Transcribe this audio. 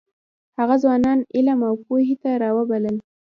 هغه ځوانان علم او پوهې ته راوبلل.